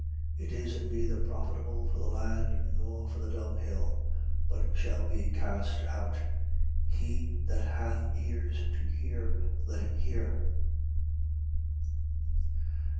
14:35. It is neither profitable for the land nor for the dunghill: but shall be cast out. He that hath ears to hear, let him hear.